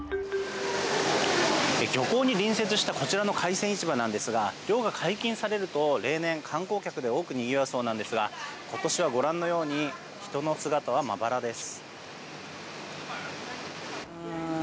漁港に隣接したこちらの海鮮市場なんですが漁が解禁されると例年観光客でにぎわうそうなのですが今年はご覧のように人の姿はまばらです。